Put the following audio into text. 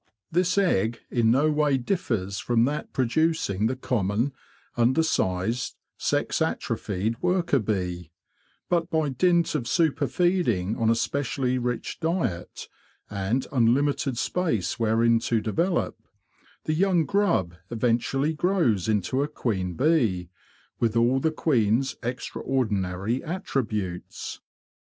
This egg in no way differs from that producing the common, under sized, sex atrophied worker bee; but by dint of super feeding on a specially rich diet, and unlimited space wherein to develop, the young grub eventually grows into a queen bee, with all the queen's extra ordinary attributes.